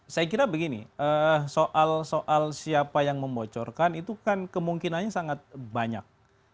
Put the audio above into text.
saya kira begini soal soal siapa yang membocorkan itu kan kemungkinannya sangat banyak